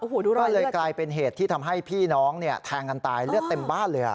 ก็เลยกลายเป็นเหตุที่ทำให้พี่น้องแทงกันตายเลือดเต็มบ้านเลย